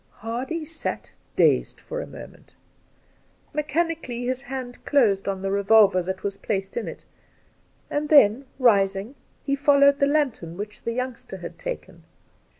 Hardy sat dazed for, a moment. Mechanically his hand closed on the revolver that was placed in it, and then, rising, he followed the lantern which the youngster had taken.